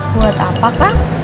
buat apa kak